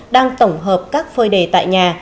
đang tổng hợp các phơi đề tại nhà